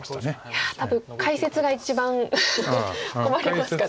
いや多分解説が一番困りますかね。